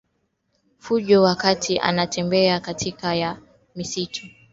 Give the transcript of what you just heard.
fujo wakati anatembea katikati ya msitu Alijua